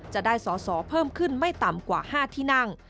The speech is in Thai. จะได้สอสอเพิ่มขึ้นไม่ต่ำกว่า๕ที่นั่ง